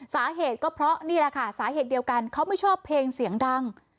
สาเหตุก็เพราะนี่แหละค่ะสาเหตุเดียวกันเขาไม่ชอบเพลงเสียงดัง